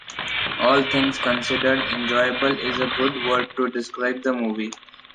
All things considered “enjoyable” is a good word to describe the movie.